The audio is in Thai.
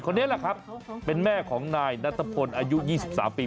คนนี้แหละครับเป็นแม่ของนายนัทพลอายุ๒๓ปี